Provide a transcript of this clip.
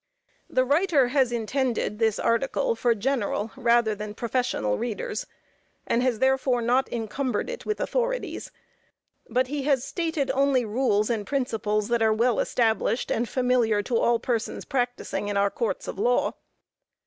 The writer has intended this article for general rather than professional readers, and has therefore not encumbered it with authorities; but he has stated only rules and principles that are well established and familiar to all persons practising in our courts of law.